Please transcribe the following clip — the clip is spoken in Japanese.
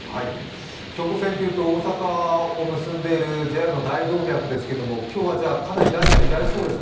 京都線というと大阪を結んでいるＪＲの大動脈ですけども、今日は、かなりダイヤ乱れそうですね。